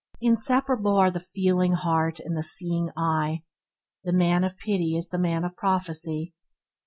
Inseparable are the feeling heart and the seeing eye. The man of pity is the man of prophecy.